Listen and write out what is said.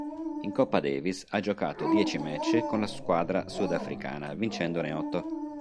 In Coppa Davis ha giocato dieci match con la squadra sudafricana vincendone otto.